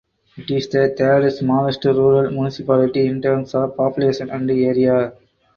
It is the third smallest rural municipality in terms of population and area.